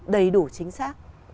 đầy đủ chính xác